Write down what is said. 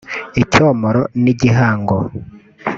icyomoro n’igihango